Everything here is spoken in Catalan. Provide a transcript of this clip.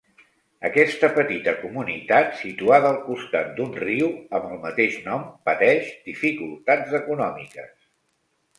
Aquesta petita comunitat situada al costat d'un riu amb el mateix nom pateix dificultats econòmiques.